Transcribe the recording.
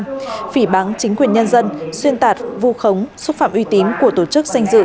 phỉ bán chính quyền nhân dân xuyên tạc vô khống xúc phạm uy tín của tổ chức danh dự